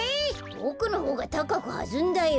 ボクのほうがたかくはずんだよ。